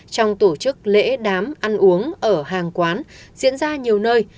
trong tổ chức lễ đám ăn uống ở hàng quán diễn ra nhiều nơi